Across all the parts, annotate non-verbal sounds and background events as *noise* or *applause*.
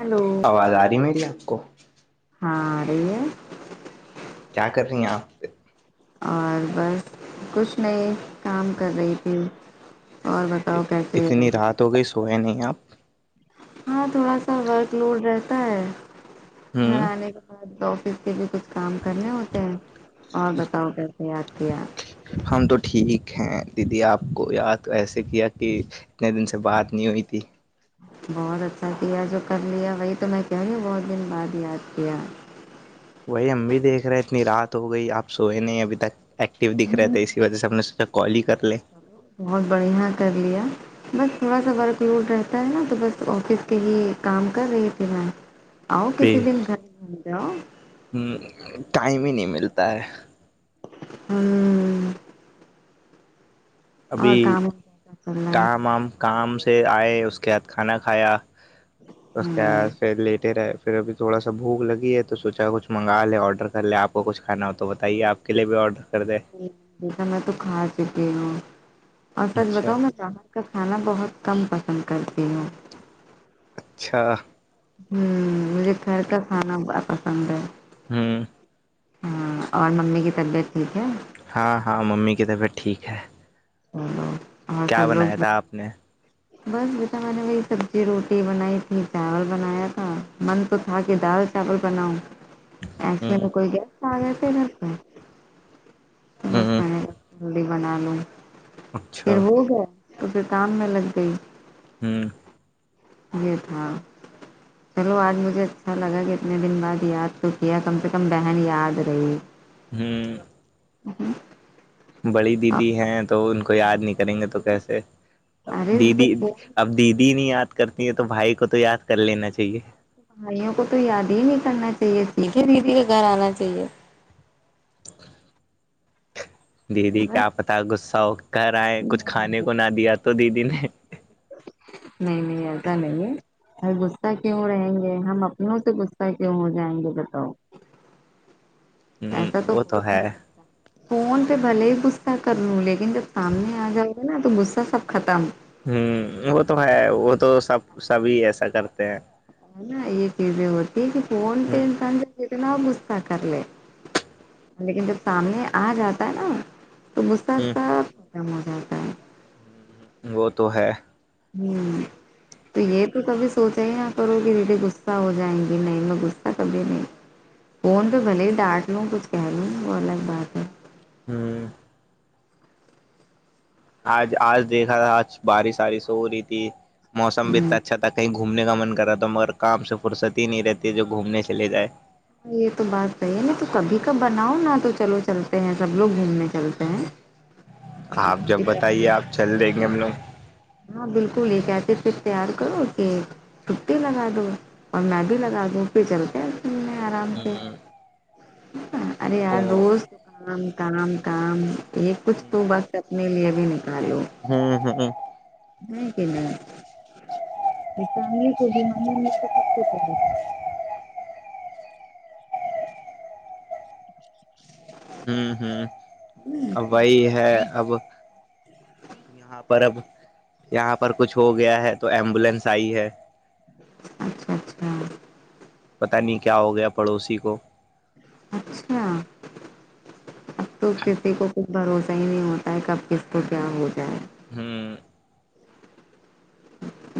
hello آواز آ رہی میری آپ کو ہاں رہی ہے کیا کر رہی ہیں آپ اور بس کچھ نئے کام کر رہی تھی اور بتاؤ کیسے ہو تو کوئی سوئے نہیں آپ ہاں تھوڑا سا ورک لوڈ رہتا ہے گھر ہوں آنے کے بعد آفس کے بھی کچھ کام کرنے ہوتے ہیں اور بتاؤ گس آپ کے ہم تو ٹھیک ہیں دیدی آپ کو یاد ایسے کیا کہ اتنے دن سے بات نہیں ہوئی تھی بہت اچھا کیا جو کر لیا وہی تو میں کہہ رہی ہوں بہت دن بعد یاد کیا وہی ہم بھی دیکھ رہے ہیں اتنی رات ہو گئی آپ سوئے نہیں ابھی تک ایکٹیو دکھ رہے تھے اسی وجہ سے ہم نے سوچا کال ہی کر لے بہت بڑھیا کر لیا بس تھوڑا سا ورک لوڈ رہتا ہے نا تو بس آفس کے ہی کام کر رہی تھی میم آؤ پہ کسی دن گھر آ جاؤ ٹائم ہی نہیں ملتا ہے ہوں اور ابھی کام کیسا چل رہا کام آم کام سے آئے اس کے بعدھ کھانا کھایا اس کے ہے بعد پھر لیٹے رہے پھر ابھی تھوا سا بھوک لگی تووچا کچھ منگا لے آرڈر کر ل آپ کو کچھ کھانا ہو تو بتائیے آپ کے لیے بھی آرڈر کر دیں جیسا میں تو کھا چکی ہوں اور سچ اچھا بتاؤ میں چاہاں کا کھانا بہت کم پسند کرتی ہوں اچھا ہوں مجھے گھر کا کھانا پسند ہے ہوں ہاں اور ممی کی طبیعت ٹھیک ہے ہاں ہاں ممی کی طبیعت ٹھیک ہے ہاں کیا بنایا تھا آپ نے بس بیٹا میں نے وہی سبزی روٹی بنائی تھی چاول بنایا تھا من تو تھا کہ دال ڈول بناؤ ایکس ہوں میں کوئی گیا آگ ہوں بنا لوں اچھا پھر ہو گیا تو پھر تان میں لگ گئی ہوں یہ تھا چلو آج مجھے اچھا لگا کہ اتنے دن بعد یاد تو کیا کم سے کم بہن یاد رہی جی بڑی اور دیدی ہیں تو ان کو یاد نہیں کریں گے تو کیسے ارے تو دیدی فون اب دیدی نہیں یاد کرتی ہے تو بھائی کو تو یاد کر لینا چاہیے بھائیوں کو تو یاد ہی نہیں کرنا چاہیے سیکھے ددی کے گھر آنا چاہیے دیدی بس کیا پتا غصہ ہو کر آئ کچھ کھانے کو نہ دیا تو دیدی نے نہیں نہیں ایسا نہیں ہے غصہ کیوں رہیں گے ہم اپنوں سے غصہ کیوں ہو جائیں گے بتاؤ *inaudible* ایسا تو وہ ہو ہی ہے نہیں سکتا فون پ بل ہی کچھ کر لوں لیکن جب سامنے آ جاؤ گا نا تو غصہ سب ختم ہوں وہ تو ہے وہ تو سب سبھی ایسا کرتے ہیں نا یہ چیزیں ہوتی کہ فون ہ اتنا گسصہ کر لے لیکن جب سامنے آ جاتا ہے نا تو ہ گھتاتاب ختم ہو جاتا ہے وہ تو ہے ہوں تو یہ تو کبھی سوچا ہی نہ کرو کہ دیٹیی غصہ ہو جائیں گی نہیں میں غصہ کبھی نہیں فون پہ بلے ہی ڈانٹ لوں کچھ کہہ لوں وہ الگ بات ہے ہوں آج آج دیکھا تھا آج بارش بارش ہو رہی تھی موسم بھی اتنا ہوں اچھا تھا کہیں گھومنے کا من کر رہا مگر کام سے فرصت ہی نہیں رہتی ہے جو گھومنے چلے جائے یہ تو بات صحیح ہے میں تو کبھی کب بناؤ نا تو چلو چلتے ہیں سب لوگ گھومنے چلتے ہیں آپ جب ایک ایسے بتائیے آپ چل دیں گے ہم لوگ ہاں بالکل یہٹ پ تیار کرو کہ چھٹی لگا دو اور میں بھی لگا دوں پھر چل کے آرام سے ہ ارے تو یار روز آرام کام کام یہ کچھ تو بس اپنے لیے بھی نکالو ہوں نہیں کہنا فیملی کو بھی ممی م کو سب کو کیا کر لینا ہوں ہ *inaudible* وہی ہے اب یہاں پر اب یہاں پر کچھ ہو گیا ہے تو ایمبولینس آئی ہے اچھا اچھا پتاہ نہیں کیا ہو گیا پڑوسی کو اچھا اب تو کسی کو بھروسہ ہی نہیں ہوتا ہے کب کس کو کیا ہو جائے ہوں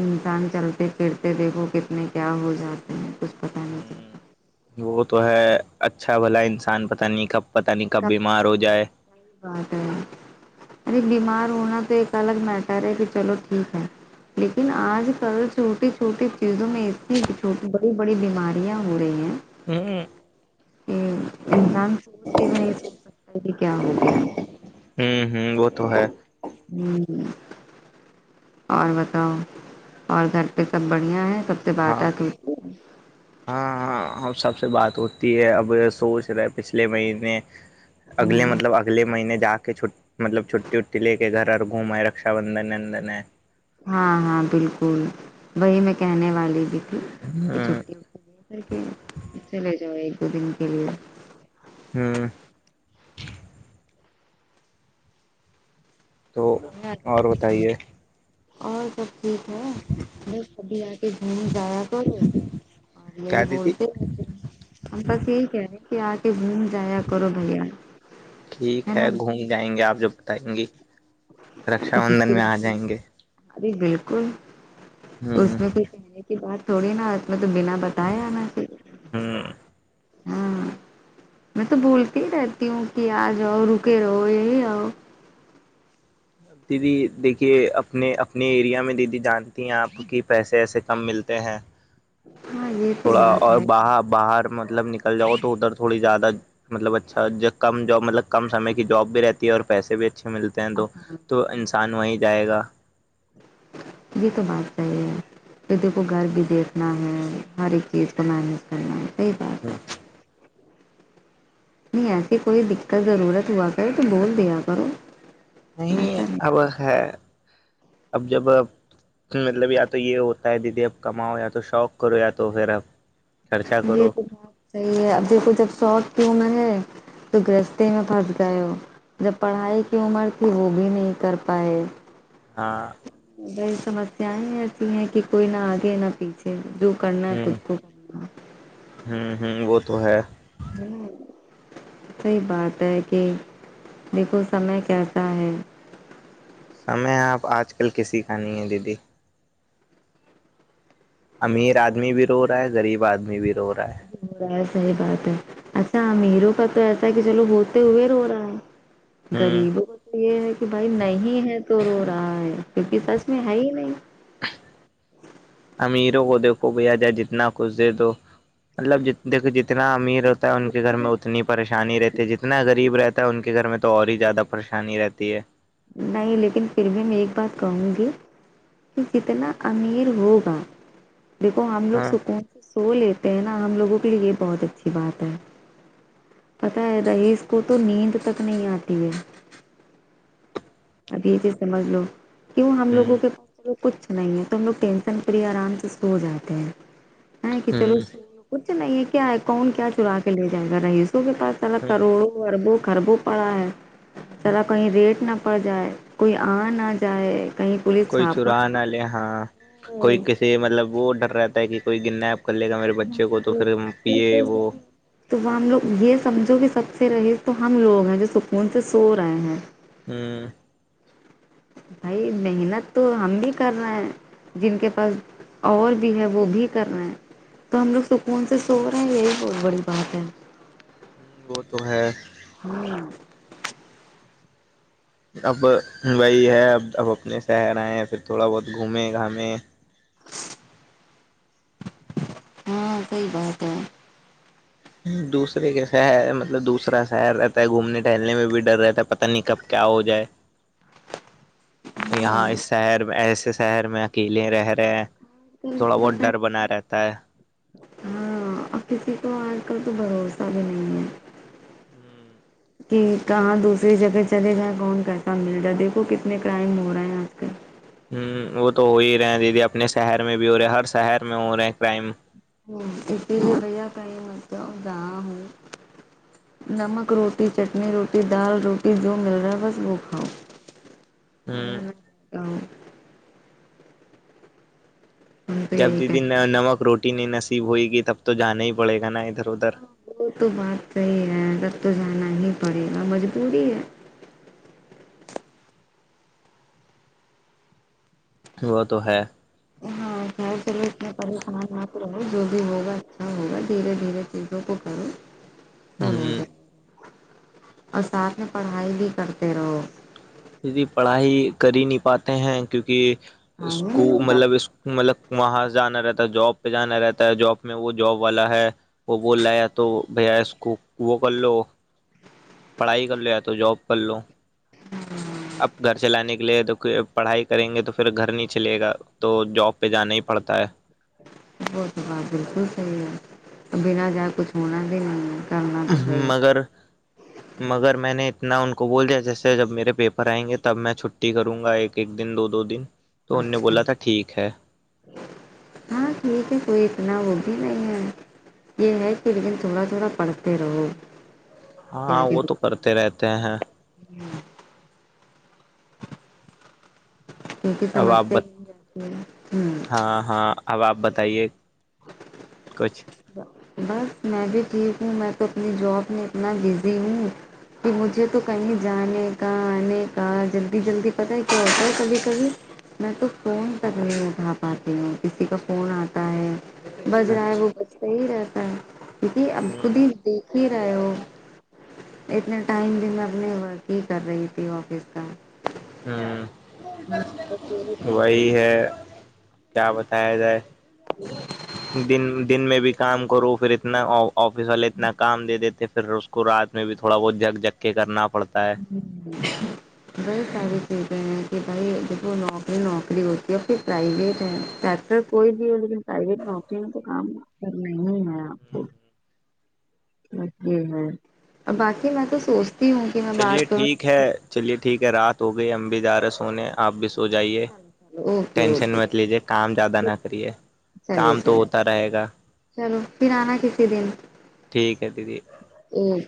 انسان چلتے پھرتے دیکھو کتنے کیا ہو جاتے ہیں کچھ پتا نہیں چلتا ہوں وہ تو ہے اچھا بھلا انسان پتہ نہیں کب پتہ نہیں کب بیمار ہو جائے بدہ ار بیمار ہونا تو ایک الگ میٹر ہے کہ چلو ٹھیک ہے لیکن آج کل چھوٹی چھوٹی چیزوں میں اتنی بڑی بڑی بیماریاں ہو رہی ہیں ہ کہ انسان سوچ کے بھی نہیں سوچ سکتا کہ کیا ہو گیا ہوں وہ تو ہے ہوں اور بتاؤ اور گھر پہ سب بڑھیا ہے سب سے بات ہاں ہے ہاں ہاں ہم سب سے بات ہوتی ہے اب سوچ رہے پچھلے مہینے اگلے ہوں، مطلب اگلےہی جا کے چ مطلب چھٹٹی وٹٹی لے کے گھر آ گومے ہے رکشا بندھن وندن ہے ہاں ہاں بالکل وہی میں کہنے والی بھی تھی کہ ہ چھٹی کر کے چلے جا ایک دو دن کے لیے ہوں تو اور بتائیے اور سب ٹھیک ہے میں کبھی آ کے گھوم جا رہیا تھ اور یہی کیا دیدی بولتے ہم بس یہی کہہ رہے ہیں کہ آ کے گھوم جایا کرو بھیا ٹھیک ہے گھوم جائیں گے آپ جو بتائیں گی رکشا بندھن پھر میں آ جائیں گے ارے بالکل ہ اس میں پھر کہنے کی بات تھوڑی نا آتی میں تو بنا پتا ہےنا سے ہاں میں تو بھولتی ہی رہتی ہوں کہ آ جاؤ رکے رہو یہی آؤ ا دیدی دیکھیے اپنے اپنے ایریا میں دیدی جانتی ہیں آپ کہ پیسے ایسے کم ملتے ہیں ہاں یہ تو تھوڑا بات اور ہے باہر باہر مطلب نکل جاؤ تو ادھر تھوڑی زیادہ مطلب اچھا کم جاب مطلب کم سم کی جاب بھی رہتی ہے اور پیسے بھی اچھے ملتے ہیں تو تو انسان وہیں جائے گا یہ تو بات صحیح ہے کد کو گھر بھی دیکھنا ہے ہر ایک چیز کو مینج کرنا ہے صحی بات ہے ہوں نہیں ایسیے کوئی دقت ضرورت ہوا کر تو بول دیا کرو نہیں ایسا اب ہے اب جب مطلب یا تو یہ ہوتا ہے دیدی اب کماؤ یا تو شوق کرو یا تو پھر اب خرچہ یہ کرو تو بہت صحیح ہے ابھی کچھ اب شوق کی ہوں میں نے ت رستے میں پھاس گا ہو جب پڑھائی کی عمر تھی وہ بھی نہیں کر پائے ہاں بی سمسیایں ایسی ہیں کہ کوئی نہ آگے نہ پیچھے جو کرنا ہے خود کو کرنا ہوں ہوں وہ تو ہے نہیں صحیح بات ہے کہ دیکھو سمے کیسا ہے سمے آپ آج کل کسی کا نہیں ہیں دیدی امیر آدمی بھی رو رہا ہے غریب آدمی بھی رو رہا ہے ا ہے صحیح بات ہے اچھا امیروں کا تو ایسا ہے کہ چلو ہوتے ہوئے رو رہا ہے ہوں غریبوں کا تو یہ ہے کہ بھائی نہیں ہے تو رو رہا ہے کیونکہ سس میں ہے ہی نہیں امیروں کو دیکھو بیا جائے جتنا کچھ دے تو مطلب ج دیکو جتنا امیر رہتا ان کے گھر میں اتنی پریشانی رہتی جتنا غریب رہتا ہے ان کے گھر میں تو اور ہی زیادہ پریشانی رہتی ہے نہیں لیکن پھر بھی میں ایک بات کہوں گی کہ جتنا امیر ہوگا دیکھو ہم لوگ ہاں سکون سے سو لیتے ہیں نا ہم لوگوں کے لیے یہ بہت اچھی بات ہے پتاہ ہے رئییس کو تو نیند تک نہیں آتی ہے ابھی پ سمجھ لو کیوں ہم لوگوں ہوں کے کچھ نہیں ہے ت ہم لوگ ٹینشن فری آرام سے سو جاتے ہیں کہ چلو ہوں سو کچھ نہیں ہے کیا ہے کون کیا چرا کے لے جائے گا رئیسوں کے پاس الگ ہ کروڑوں اربوں خربو پڑا ہے چلا کہیں ریٹ نہ پڑ جائے کوئی آ نہ جائے کہیں پولیس کوئی چھاپا چران والے ہاں کوئی کسی مطلب وہ ڈر رہتا ہے کہ کوئی گننا کر لے گا میرے نہ بچے کو تو پڑے پھر پے وہ تو وہ ہم لوگ یہ سمجھو کہ سب سے رہیز تو ہم لوگ ہیں جو سکون سے سو رہے ہیں ہوں بھائی محنت تو ہم بھی کر رہے ہیں جن کے پاس اور بھی ہے وہ بھی کر رہے ہیں تو ہم لوگ سکون سے سو رہے ہیں یہی بہت بڑی بات ہے وہ تو ہے ہ اب وہی ہے اب اب اپنے شہر آئے پھر تھوڑا بہت گھومے گھامے ہاں کوئی بات ہے دوسرے کے شہر مطلب دوسرا شہر رہتا ہے گھومنے ٹہلنے میں بھی ڈر رہتا ہے پتاہ نہیں کب کیا ہو جائے ہاں یہاں اس آج شہر میں ایسے شہر میں اکیلے رہ رہے ہیں تھوڑا بہت پس ڈر بنا رہتا ہے ہ ہاں اور کسی کو آج کل تو بھروسہ بھی نہیں ہے ہوں کہ کہاں دوسری جگہ چلے جائیں کون کیسا مل رہا دیکھو کتنے کرائم ہو رہا ہیں آج کل ہوں وہ تو ہو ہی رہے ہیں دیدی اپنے شہر میں بھی ہو رہے ہر شہر میں ہو رہے ہیں کرائم ہ اٹی رہیا کہیں متؤ گا ہوں نمک روٹی چٹنی روٹی دال روٹی جو مل رہا ہے بس وہ کھاؤ ہوں ہ ہم تو جب یہی کہ دیدی نمک روٹی نہیں نصیب ہوئے گی تب تو جانا ہی پڑے گا نا ادھر ادھر وہ تو بات صحیح ہے تب تو جانا ہی پڑے گا مجبوری ہے وہ تو ہے ہاں خ چلو اس میں پریشان نہ رہو جو بھی ہوگا اچھا ہوگا دھیرے دھیرے کو کرار ہوں اور ساتھ میں پڑھائی بھی کرتے رہو کی پڑھائی کر ہی نہیں پاتے ہیں کیونکہ ٹائم ہی اسک نہیں ملتا مطلب اس مطلب وہاں سے جانا رہتا ہے جاب پہ جانا رہتا ہے جاب میں وہ جاب والا ہے وہ بول رہا یا تو بھیا اس کو وہ کر لو پڑھائی کر لو تو جاب کر لو ہ ہ اب گھر چلانے کے لیے تو پڑھائی کریں گے تو پھر گھر نہیں چلے گا تو جاب پہ جانا ہی پڑتا ہے وہ تو بات بالکل صحیح ہے ا بنا جائے کچھ ہونا بھی نہیں ہے کرنا تو صحیح ہے مگر مگر میں نے اتنا ان کو بول دیا جیسے جب میرے پیپر آئیں گے تب میں چھٹی کروں گا ایک ایک دن دو دو دن تو ان نے اچھا بولا تھا ٹھیک ہے ہاں ٹھیک ہے کوئی اتنا وہ بھی نہیں ہے یہ ہے کہ لیکن تھوڑا تھوڑا پڑھتے رہو ہاں وہ تو کرتے رہتے ہیں ہوں کیونکہ اب آپ سمسیا بتا یہ جاتی ہے ہ ہاں ہاں اب آپ بتائیے کچھ بس میں بھی ٹھیک ہوں میں تو اپنی جاب میں اتنا بزی ہوں کہ مجھے تو کہیں جانے کا آنے کا جلدی جلدی پتہ ہے کیا ہوتا ہے کبھی کبھی میں تو فون تک نہیں اٹھا پاتی ہوں کسی کا فون آتا ہے بج رہا ہے اچھا وہ بجتا ہی رہتا ہے کیکہ اب خود ہوں ہی دیکھ ہی رہے ہو اتنے ٹائم بھی میں اپنے ورک ہی کر رہی تھی آفس کا ہوں بس یہی رہتا وہی ہے کیا بتایا جائے دن دن میں بھی کام کروں پھر اتنا ا آفس والے اتنا کام دے دیتے پھر اس کو رات میں بھی تھوڑا بہت جھک جھک کے کرنا پڑتا ہے ہ بئی ساری چیزیں ہیں کہ بھائی جب وہ نوکری نوکری ہوتی ہے اور پھر پرائیویٹ ہے سر کوئی بھی ہو لیکن پرائیویٹ نوکری میں تو کام کرنا ہے آپ کو ا اور باقی میں تو سوچتی ہوں کہ میں چلیےب بات ٹھیک ہے کروں چلیے ٹھیک ہے رات ہو گئی امبدار سونے آپ بھی سو جائیے اوکے ٹینشن اوکے مت لیجیے کام زیادہ نہ کریے چلیے کام تو چلے ہوتا رہے گا چلو پھر آنا کسی دن ٹھیک ہے دیدی ہوں